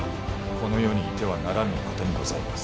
この世にいてはならぬお方にございます。